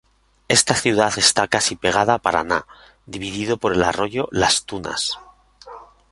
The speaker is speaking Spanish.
Esta ciudad está casi pegada a Paraná, dividida por el arroyo Las Tunas.